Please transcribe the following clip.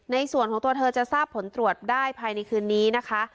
ส่วนตัวเธอจะทราบผลตรวจได้ภายในคืนนี้นะคะ